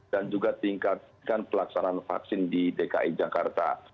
dan juga tingkatkan pelaksanaan vaksin di dki jakarta